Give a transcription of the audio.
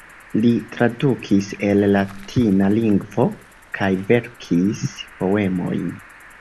Li tradukis el latina lingvo kaj verkis poemojn.